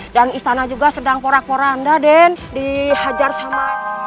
dan istana juga sedang porak porak anda dan dihajar sama